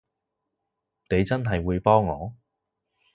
你真係會幫我？